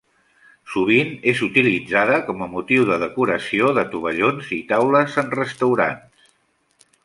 Sovint és utilitzada com a motiu de decoració de tovallons i taules en restaurants.